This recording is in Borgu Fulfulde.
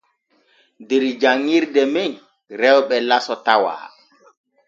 Der janŋirde men rewɓe laso tawa.